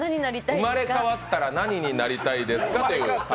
生まれ変わったら何になりたいですか？